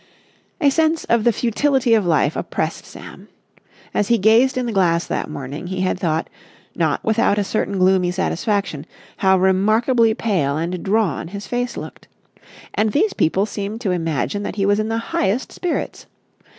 A sense of the futility of life oppressed Sam. As he gazed in the glass that morning, he had thought, not without a certain gloomy satisfaction, how remarkably pale and drawn his face looked. And these people seemed to imagine that he was in the highest spirits.